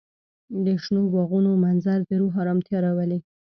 د شنو باغونو منظر د روح ارامتیا راولي.